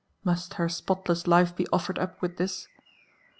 — must her spotless life be offered up with his